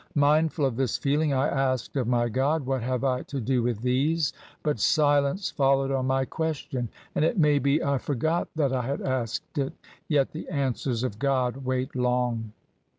Mindful of this feeling, I asked of my God, *What have I to do with these?' But silence followed on my question. And it may be I forgot that I had asked it. Yet the answers of God wait long."